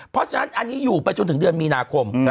เพราะฉะนั้นอันนี้อยู่ไปจนถึงเดือนมีนาคม